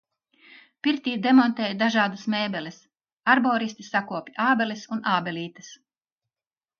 Pirtī demontēju dažādas mēbeles. Arboristi sakopj ābeles un ābelītes.